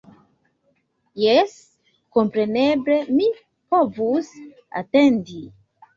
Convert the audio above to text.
Jes, kompreneble mi povus atendi.